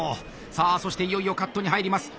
さあそしていよいよカットに入ります。